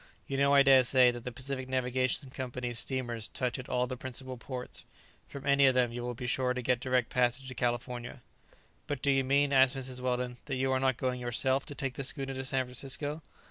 You know, I dare say, that the Pacific Navigation Company's steamers touch at all the principal ports. From any of them you will be sure to get direct passage to California." "But do you mean," asked Mrs. Weldon, "that you are not going yourself to take the schooner to San Francisco?"